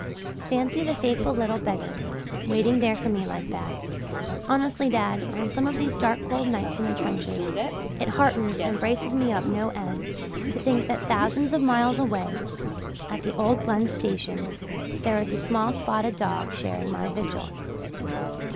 Fancy the faithful little beggar waiting there for me like that! Honestly, dad, on some of these dark cold nights in the trenches, it heartens and braces me up no end to think that thousands of miles away at the old Glen station there is a small spotted dog sharing my vigil.